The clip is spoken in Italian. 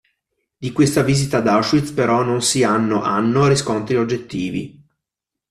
Di questa visita ad Auschwitz però non si hanno hanno riscontri oggettivi.